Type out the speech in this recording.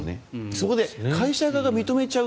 そこで会社側が認めちゃう。